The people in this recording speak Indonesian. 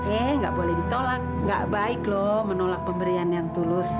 eh nggak boleh ditolak gak baik loh menolak pemberian yang tulus